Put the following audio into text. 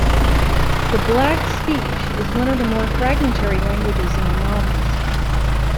The Black Speech is one of the more fragmentary languages in the novels.